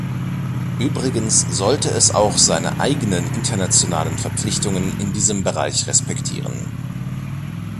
Übrigens sollte es auch seine eigenen internationalen Verpflichtungen in diesem Bereich respektieren.